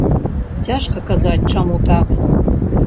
Цяжка казаць, чаму так.